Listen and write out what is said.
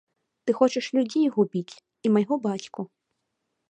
Ты хочаш людзей губіць і майго бацьку.